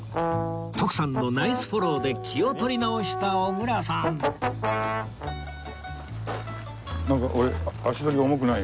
徳さんのナイスフォローで気を取り直した小倉さんなんか俺足取り重くない？